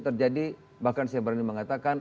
terjadi bahkan saya berani mengatakan